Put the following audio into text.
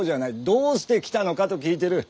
「どうして来たのか？」と聞いてる。